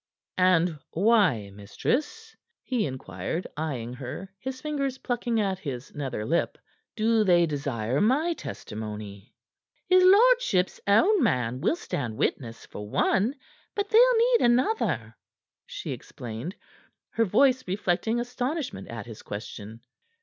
"And why, mistress," he inquired, eying her, his fingers plucking at his nether lip, "do they desire my testimony?" "His lordship's own man will stand witness, for one; but they'll need another," she explained, her voice reflecting astonishment at his question.